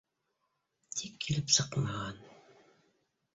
Тик килеп сыҡмаған